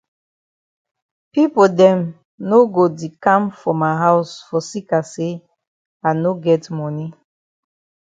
Pipo dem no go di kam for ma haus for seka say I no get moni.